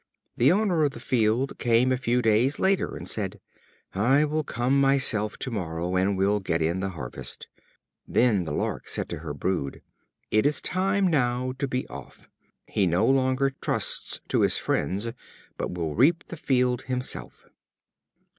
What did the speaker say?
The owner of the field came a few days later, and said: "I will come myself to morrow, and will get in the harvest." Then the Lark said to her brood: "It is time now to be off he no longer trusts to his friends, but will reap the field himself."